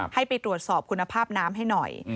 ให้ไปตรวจสอบคุณภาพน้ำให้หน่อย